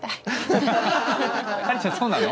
カレンちゃんそうなの？